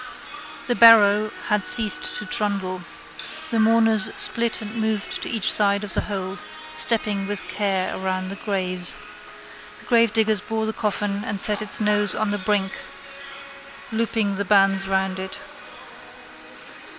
The barrow had ceased to trundle. The mourners split and moved to each side of the hole, stepping with care round the graves. The gravediggers bore the coffin and set its nose on the brink, looping the bands round it.